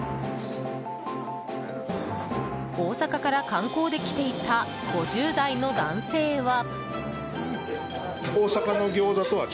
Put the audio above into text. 大阪から観光で来ていた５０代の男性は。